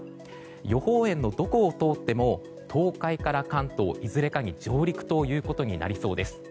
予報円のどこを通っても東海から関東いずれかに上陸ということになりそうです。